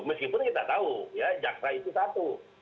meskipun kita tahu ya jaksa itu satu